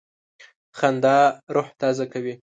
خندا روح تازه کوي.